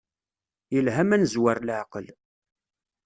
Yelha ma nezwer leɛqel.